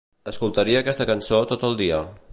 Escoltaria aquesta cançó tot el dia.